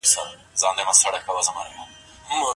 تاسي په خپلو ملګرو کي باوري یاست.